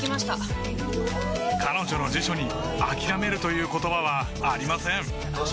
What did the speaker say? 彼女の辞書にあきらめるという言葉はありません